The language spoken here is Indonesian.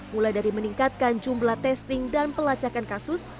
mulai dari meningkatkan jumlah testing dan pelacakan kasus